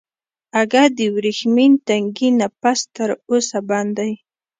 اگه د ورېښمين تنګي نه پس تر اوسه بند دی.